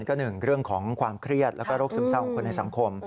ก็หนึ่งเรื่องของความเครียดแล้วก็โรคซึมเศร้าของคนในสังคม